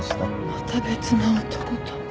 また別な男と。